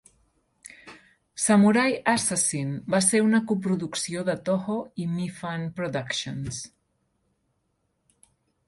"Samurai Assassin" va ser una coproducció de Toho i Mifune Productions.